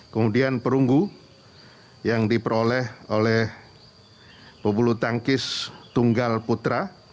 kemudian perunggu yang diperoleh oleh pebulu tangkis tunggal putra